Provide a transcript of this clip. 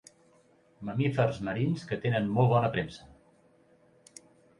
Mamífers marins que tenen molt bona premsa.